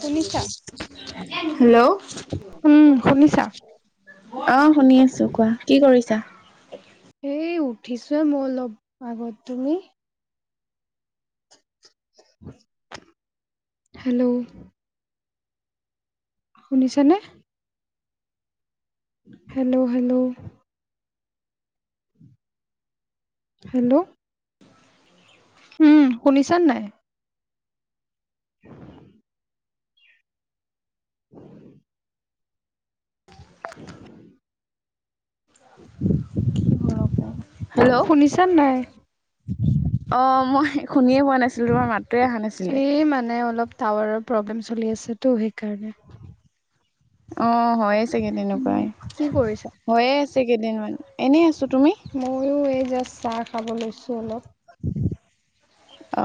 শুনিছা? হেল্ল'। উম, শুনিছা? আহ শুনি আছো কোৱা কি কৰিছা? এ উঠিছোৱে মই অলপ আগত তুমি হেল্ল'। শুনিছ নে? Hello hello. হেল্ল'। উম শুনিছান নাই [inaudible] উম। উম। [inaudible] হেল্ল' শুনিছান নাই? অ' মই শুনিয়ে পোৱা নাছিলো। তোমাৰ মাতটোৱে অহা নাছিলে। এই মানে অলপ টাৱাৰৰ প্ৰব্লেম চলি আছেতো সেইকাৰণে। অ' হৈ আছে কেইদনৰ উম, পৰাই কি কৰিছা? হৈয়ে আছে কেইদিনমান এনেই আছো। তুমি? ময়ো এই জাষ্ট চাহ খাব লৈছো অলপ।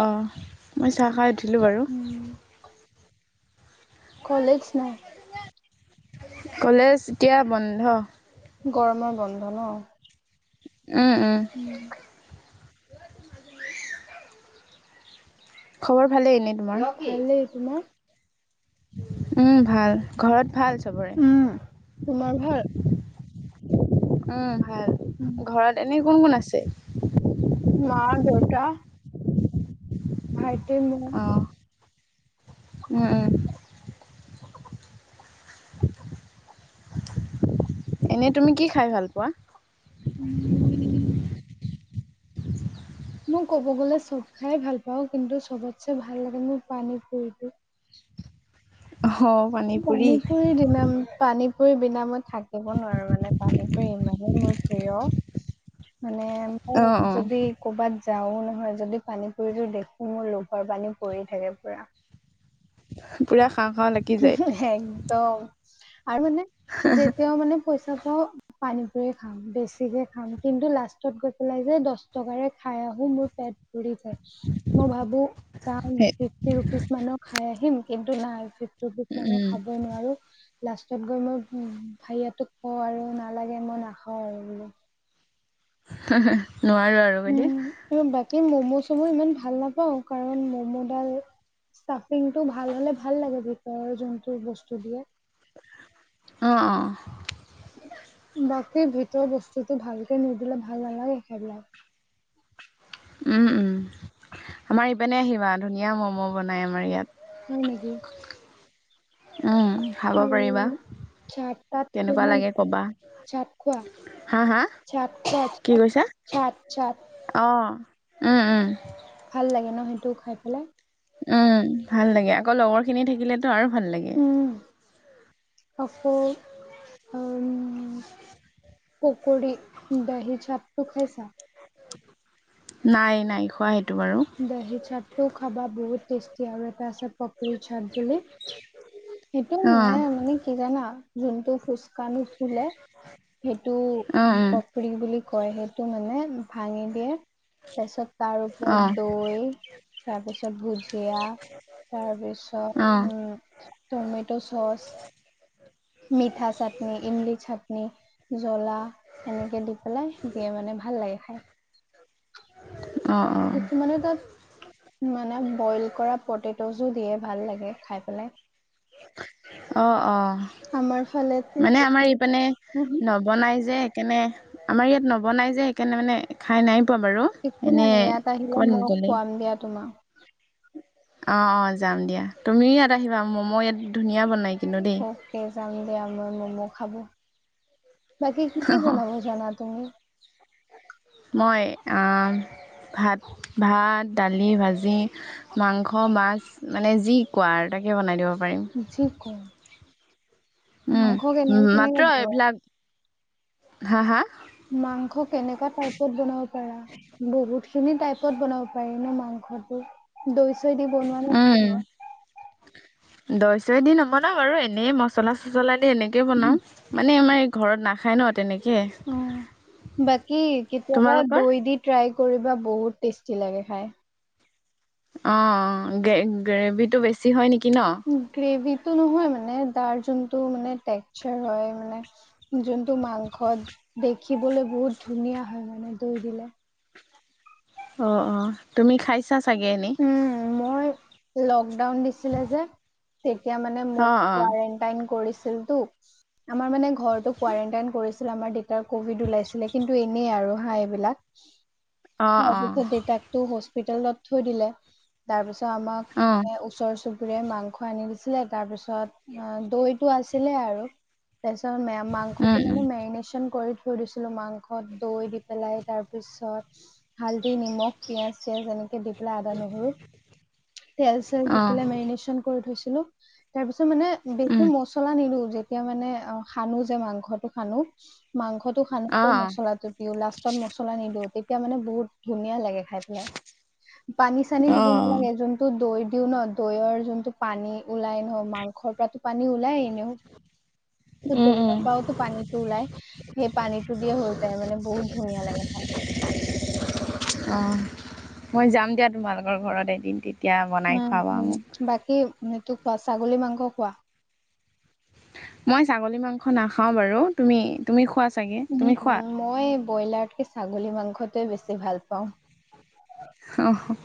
আহ মই চাহ খাই উঠিলো বাৰু। উম। কলেজ নাই কলেজ এতিয়া বন্ধ। গৰমৰ বন্ধ ন উম উম। খবৰ ভালেই এনেই তোমাৰ। ভালেই, তোমাৰ উম ভাল ঘৰত ভাল চবৰে। উম। তোমাৰ ভাল? উম ভাল ঘৰত এনে কোন কোন আছে। মা দেউতা ভাই অ'। উম উম। এনে তুমি কি খাই ভাল পোৱা। উম, মই ক'ব গ'লে চব খাই ভাল পাওঁ কিন্তু সবতছে ভাল লাগে মোৰ পানীৰ পুৰিটো। অ পুৰি পানী পৰি দিম পানী খুুৰ বিনা মই থাকিব নোৱাৰো মানে পানীপুৰি ইমানেই মোৰ প্ৰিয়। মানে অ অ মই যদি কৰ'বাত। যাও নহয় যদি পানী পুৰিতো দেখো মোৰ লোভৰ পানী পৰি থাকে পুৰা পুৰা খাওঁ খাওঁ লাগি যায়। একদম আৰু মানে যেতিয়াও মানে পই পানী পুৰি খাম বেছিকে খাম কিন্তু লাষ্টত গৈ পেলাই যে দহ টকাৰে খাই আহ মোৰ পেটুৰি যায় মই ভাবো চাম ফিফটি ৰুপিচ মানৰ খাই আহিম কিন্তু নাই ভটো ভিক মানহ উম খাবই নোৱাৰো লাষ্টত গৈ মই উ ভাইটোক কওঁ আৰু নালাগে মই নাখাওঁ আৰু নোৱাৰো আৰু বাইদে চাওমিন ইমান ভাল নাপাওঁ কাৰণ ম'ম'ডাল চাফিং টো ভাল হলে ভাল লাগে ভিতৰৰ যোনটো বস্তু দিয়ে অঁ অঁ বাকী ভিতৰ বস্তুটো ভালকে নিদিলে ভাল নালাগে সেইবিলাক উম উম আমাৰ ইপেনে আহিবা ধুনীয়া ম'ম' বনাই আমাৰ ইয়াত হয় নেকি খাব পাৰিবা চাত তাত খোৱা কেনেকুৱা নাই লাগে কবা চাত খোৱা হা হা চাট খোৱা চাট কি কৈছা চাট চাট অ উম উম ভাল লাগে ন সেইটো খাই পেলাই উম ভাল লাগে আকৌ লগৰ খিনি থাকিলেতো আৰু ভাল লাগে উম আকৌ উম পকৰি দহি চাতটো খাইছা? নাই নাই খোৱাহটো দহি চাটটো খাবা বহুত টেষ্টি আৰু এটা চ পকীৰ চাট বুলি সেইটো অ মানে মানে কি জানা যোনটো ফুচকা নো ফুলে সেইটো অ উম পাপৰি বুলি কয় সেইটো মানে ভাঙি দিয়ে তাৰপিছত তাৰ অ ওপৰত দৈ তাৰপিছত ভুজিয়া অ তাৰপিছত উম টমেট' চচ মিঠা চাটনি ইমলি চাটনি জ্বলা এনেকে দি পেলাই দিয়ে মানে ভাল লাগে খাই অ কিছুমানে তাত মানে বইল কৰা পটেট জ দিয়ে ভাল লাগে খাই পেলাই অ অ আমাৰ ফালেতো মানে আমাৰ একো এইপানে উহু, নবনাই যে সেইকাৰণনে আমাৰ ইয়াত নবনাই যে সেইকাৰণে মানে খাই নাই পোৱা বাৰু একো এনে নাই ইয়াত আহিলে ক মই গলে খুৱাম দিয়া তোমাক। অ অ যাম দিয়া তুমিও ইয়াত আহিবা ম'ম' ইয়াত ধুনীয়া বন অকে যাম দিয়া মই ম'ম' খাব বাকি কতি বনাব জানা তুমি মই ভাত ভাত দালি ভাজি মাংস মাছ মানে যি কোৱা আৰু তাকে বনাই দিব পাৰিম যি কম মাংস কেনেকে উম কেনেকে মাত্ৰ বনোৱা? এইবিলাক হা হা মাংস কেনেকুৱা টাইপত বনাব পাৰা বহুতখিনি টাইপত বনাব পাৰি ন মাংস ঘৰটো দৈ চৈ দি বনোৱা নে বনোৱা দই চই দি নবনাও আৰু এনেই মচলা চচলা দি এনেকে বনাও মানে আমাৰ ঘৰত নাখায় ন তেনেকে অ বাকি কেতিয়াবা তোমালোকৰ দৈ দি ট্ৰাই কৰিবা বহুত টেষ্টি লাগে খাই অ গ গ্ৰেভি টো বেছি হয় নেকি ন গ্ৰেভি টো নহয় মানে তাৰ যোনটো মানে টেক্চাৰ হয় মানে যোনটো মাংসত দেখিবলৈ বহুত ধুনীয়া হয় মানে দৈ দিলে অঁ অঁ তুমি খাইছা চাগে নি উম মই লকডাউন দিছিলে যে তেতিয়া মানে অ অ মোকাইন কৰি ছিল টো আমাৰ মানে ঘৰতো কোৱাৰেণ্টাইন কৰিছিলে আমাৰ দেউতাৰ কভিড ওলাইছিলে কিন্তু এনেই আৰু হাঁহ এইবিলাক। অ তাৰপিছত দেউতাকটো হস্পিতেলত থৈ দিলে তাৰপিছত অ অ ওচৰ চুবুৰ ৰে মাংস আনি দিছিলে তাৰ পিছত দৈটো আছিলে আৰু তাৰপিছত ম উম মাংসটো উম [unintelligible] মেৰিনেশচন কৰি থৈ দিছিলো মাংস দৈ দি পেলাই তাৰ পিছত হালধি নিমখ পিয়াঁজ চিয়াজ এনেকে দি পেলাই আদা নহৰু তেল চেল দি অ পেলাই মেৰিনেচন কৰি থৈছিলো, তাৰ পিছত মানে উম বেছি মছলা নিদো যে তেতিয়া মানে অ, সানো যে মাংসটো সানো মাংস অ অ সানোতে মছলাটো দিওঁ লাষ্টত মছলা নিদিওঁ, তেতিয়া মানে বহুত ধুনীয়া লাগে। খাই পেলাই পানী চানী অ দিব নালাগে যোনটো দৈ দিও ন দৈৰ যোনটো পানী ওলাই ন মাংসৰ পৰাতো পানী ওলাই এনেও ত উম দৌ উম পৰাওতো পানীতটো ওলাই, সেই পানীটো দিয়ে হৈ যায় মানে বহুত ধুনীয়া লাগে খাই [unintelligible] অ', মই যাম দিয়া তোমালোকৰ ঘৰত এদিন, দিনত। উম, উম, বাকী সেটো খোৱা ছাগলী মাংস খোৱা। মই ছাগলী মাংস নাখাও বাৰু, তুমি তুমি খোৱা চাগে উম তুমি খোৱা মই ব্ৰইলাৰতকে ছাগলী মাংসটোৱে বেছি ভাল পাওঁ। অ'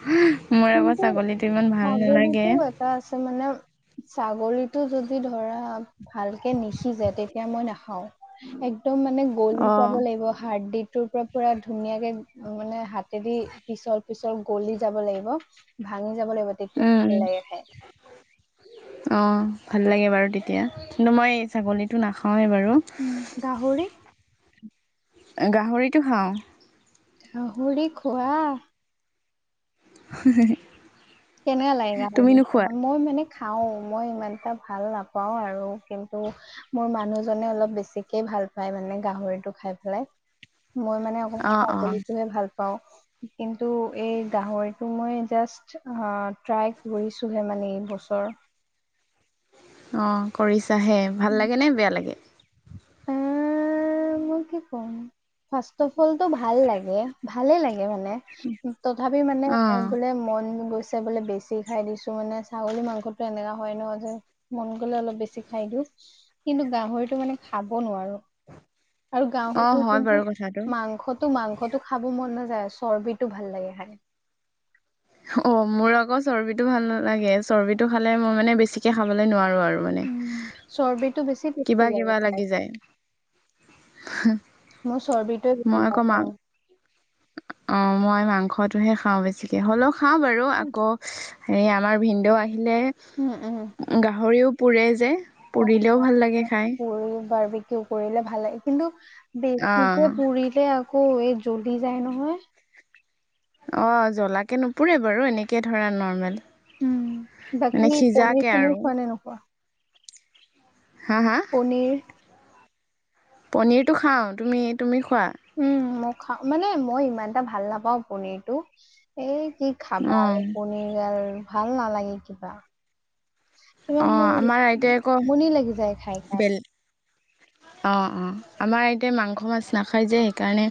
মোৰ আকৌ কিন্তু ছাগলীটো ইমান ভাল ছাগলীতো নালাগে এটা আছে মানে ছাগলীটো যদি ধৰা ভালকে নিখিজে তেতিয়া মই নাখাও। একদম মানে গলি অ যাব লাগিব হাৰ দিটোৰ পৰা পুৰা ধুনীয়াকে মানে হাত হাতে দি পিছল পিছল গলি যাব লাগিব ভাং যাব লাগিব তেতিয়া উম ভাল উম লাগে খাই। অ', ভাল লাগে বাৰু তেতিয়া, কিন্তু মই এই ছাগলীটো নাখাওঁ উম, গাহৰি গাহৰিটো খাওঁ। গাহৰি খোৱা হয়। কেনেকা লাগে গাহৰি খাই মই মানে খাও মই ইমান এটা ভাল নাপাওঁ আৰু, কিন্তু মোৰ মানুহজনে অলপ বেছিকে ভাল ভাল পাই মানে গাহৰিটো খাই পেলাই। [inaudible] মই মানে অকমান অ', অ', ছাগলীটোহে ভাল পাওঁ কিন্তু এই গাহৰিটো মই জাষ্ট অ', ট্ৰাই কৰিছো হে মানে এই বছৰ। অ', কৰিছা হে ভাল লাগে নে বেয়া লাগে? এ মই কি ক'ম ফাৰ্ষ্টত [unintelligible] ভাল লাগে, ভালে লাগে মানে, তথাপি মানে অ', বোলে মন গৈছে [unintelligible] বোলে বেছি খাই দিছো মানে ছাগলী মাংসটো এনেকা হয় ন যে মন গলে অলপ বেছি খাই দিও। কিন্তু গাহৰিটো মানে খাব নোৱাৰোঁ। আৰু অ', গাঁৱতে হয় কিন্তু বাৰু কথাটো মাংসটো মাংসটো খাব মন নাযায় চবিৰ্টো ভাল লাগে খাই। অ' মোৰ আকৌ চৰ্বিটো ভাল নালাগে চৰ্বি টো খালে মই মানে বেছিকে খাবলে নোৱাৰো নোৱাৰোঁ মানে উম, চৰ্বিটো বেছি টেষ্টি কিবা লাগে কিবা খাই, লাগি যায়। মোৰ চৰ্বিটোৱে মই বেছি ভাল আকৌ মা পাওঁ। অ', মই মাংসটোহে খাওঁ বেছিকে হ'লেও খাওঁ বাৰু, আকৌ হে আমাৰ ভিনডেউ আহি আহিলে উম, উম। গাহৰিও পুৰে যে পুৰিলেও ভাল লাগে খাই। পুৰি [unintelligible] কৰিলে ভাল লাগে কিন্তু বেছিকে অ', পুৰিলে আকৌ। ক, এই জ্বলি যায় নহয়। অ', জ্বলাকে নুপুৰে বাৰু এনেকে ধৰা নৰ্মেল উম, বাকী মানে পনীৰ সিজাকে চনীৰ আৰু [unintelligible] খোৱা নে নোখোৱা? হা হা পনীৰ, পনিৰটো খাও তুমি, তুমি খোৱা [unintelligible] উম, মই খাও, মানে মই ইমান এটা ভাল নাপাওঁ পনিৰটো এই কি খাবাৰ অঁ পনিৰয়াল ভাল নালাগে কিবা [unintelligible] সেইিবা অঁ মোৰ আমাৰ আইতাই আমনি লাগি যায় খাই, খাই, হয় [unintelligible] অ', অ', আমাৰ এতিয়া মাংস মাছ নাখাই যে সেইকাৰণে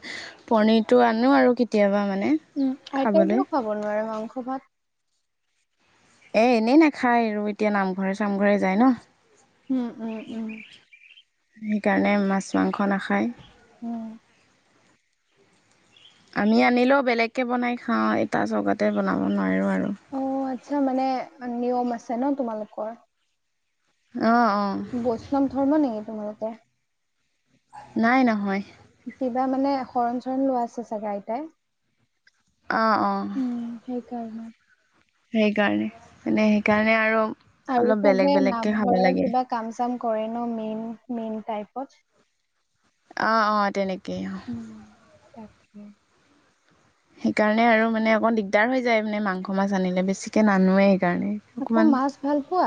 পনিৰটো আনো আৰু কেতিয়াবা আ উম, আইতাইেও খাব নোৱাৰে মাংস ভাত [unintelligible] এ, এনেই নাখায় আৰু এতিয়া নামঘৰে চামঘৰে যায় ন, উম, উম, উম সেইকাৰণে মাছ মাংস নাখায় উম, আমি আনিলেও বেলেগকে বনাই খাও এটা জগতে বনাব নোৱাৰো আৰু অ আচ্ছা মানে নিয়ম আছে ন তোমালোকৰ অঁ অঁ বৈষ্ণৱ ধৰ্ম নেকি তোমালোকৰ নাই নহয় কিবা মানে শৰণ, চৰণ লোৱা আছে চাগা আইতাই অ, ' অ', কাৰণ [unintelligible] সেইকাৰণে মানে, সেইকাৰণে আৰু আৰু অলপ বেলেগ চবে বেলেগকৈ খাব নামঘৰৰ লাগে কিবা কাম চাম কৰে ন মেইন, মেইন টাইপত অ', অ', তেনেকেই অ', উম, তাকে [inaudible] সেইকাৰণে আৰু মানে অকণ দিগদাৰ হৈ যায় মানে মাংস মাছ আনিলে বেছিকে নানোৱে সেইকাৰণে আকৌ অকমান মাছ ভাল পোৱা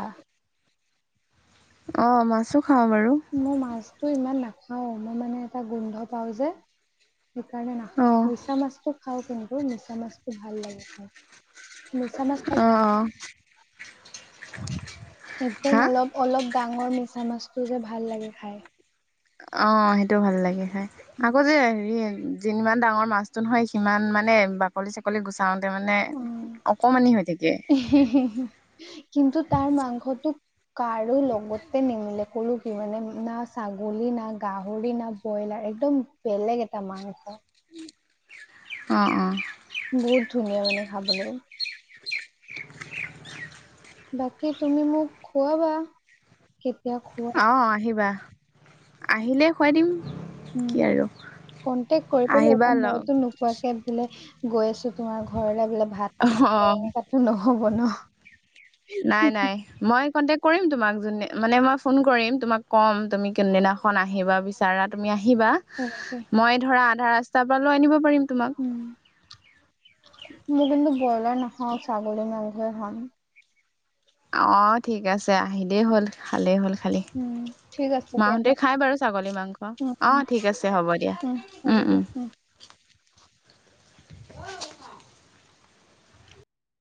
অ', মাছো খাওঁ বাৰু মই মাছটো ইমান নাখাও মই মানে এটা গোন্ধ পাওঁ যে সেইকাৰণে না অ', মিছা মাছটো খাওঁ কিন্তু মিছা মাছটো ভাল লাগে মিছা মাছ আহ, আহ একদম হা? অলপ, অলপ ডাঙৰ মিছামাছটো যে ভাল লাগে খাই অ', সেইটো ভাল লাগে খাই আকৌ যে হেৰি যিমান ডাঙৰ মাছতো নহয় সিমান মানে বাকলি চাকলি গুচ অক হ, হ, হ [unintelligible] কিন্তু তাৰ মাংসটো কাৰো লগতে নিমিলে কলো কি মানে না ছাগলী না গাহৰি না ব্ৰইলাৰ একদম বেলেগ এটা মাংস অ', অ',। বহুত ধুনীয়া মানে খাবলৈ বাকী তুমি মোক খুৱাবা কেতিয়া খোৱা অ', আহিবা আহিলে খুৱাই দিম কি আৰু কনটেক্ট আহিবা কৰিবলৈ লগ মইতো নোকোৱাকে বোলে গৈ আছো তোমাৰ ঘৰলে বোলে অ', ভাত নহ'ব ন নাই, নাই, মই কণ্টেক ম তোমাক য মানে মই ফোন কৰিম তোমাক ক'ম তুমি কোনদিনাখন আহিবা বিচাৰা তুমি আহিবা অকে মই ধৰা আধা ৰাস্তাৰ পৰা লৈ আনিব পাৰিম তোমাক উম। মোৰ কিন্তু ব্ৰইলাৰ নাখাও ছাগলী মাংসই খাম অ', ঠিক আছে আহিলেই হ'ল ভালেই হ'ল খালী উম ঠিক আছে দিয়া ন মাহঁতে খাই বাৰু ছাগলী মাংস উম অঁ উম ঠিক আছে হ'ব দিয়া উম হ'ব উম অ